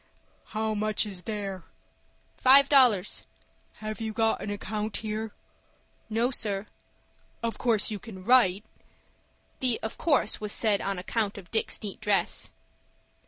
"How much is there?" "Five dollars." "Have you got an account here?" "No, sir." "Of course you can write?" The "of course" was said on account of Dick's neat dress.